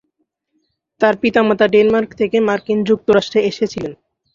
তার পিতামাতা ডেনমার্ক থেকে মার্কিন যুক্তরাষ্ট্রে এসেছিলেন।